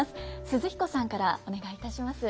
寿々彦さんからお願いいたします。